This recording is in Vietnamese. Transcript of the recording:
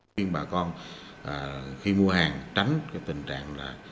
điều này không chỉ khiến người tiêu dùng hoang mang lo lắng nhà sản xuất bị thua lỗ